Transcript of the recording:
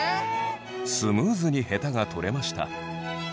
スムーズにヘタが取れました。